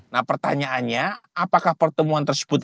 nah pertanyaannya apakah pertemuan tersebut